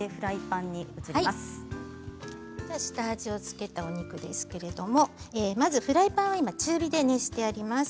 下味を付けたお肉ですけれどまずフライパンは中火で熱してあります。